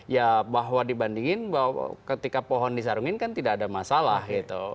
ya bahwa dibandingin bahwa ketika pohon disarungin kan tidak ada masalah gitu